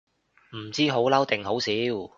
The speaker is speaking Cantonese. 唔知好嬲定好笑